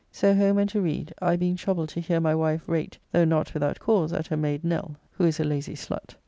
So home and to read, I being troubled to hear my wife rate though not without cause at her mayd Nell, who is a lazy slut.